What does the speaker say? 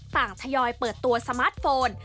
ทยอยเปิดตัวสมาร์ทโฟน